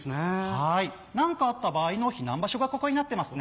はい何かあった場合の避難場所がここになってますね。